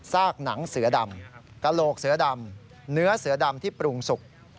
กหนังเสือดำกระโหลกเสือดำเนื้อเสือดำที่ปรุงสุก